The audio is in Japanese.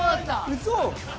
ウソ！？